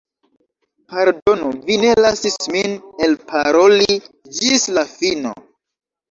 Pardonu, vi ne lasis min elparoli ĝis la fino.